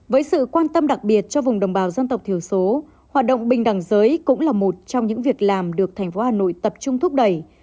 với sự quan tâm đặc biệt cho vùng đồng bào dân tộc thiểu số hoạt động bình đẳng giới cũng là một trong những việc làm được thành phố hà nội tập trung thúc đẩy